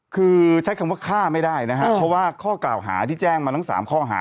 คือใช้คำว่าฆ่าไม่ได้นะครับเพราะว่าข้อกล่าวหาที่แจ้งมาทั้ง๓ข้อหา